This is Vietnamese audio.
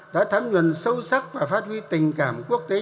đã thấm nhuận sâu sắc và phát huy tình cảm quốc tế